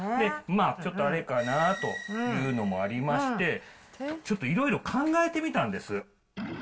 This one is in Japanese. ちょっとあれかなというのもありまして、ちょっといろいろ考えてみたんです。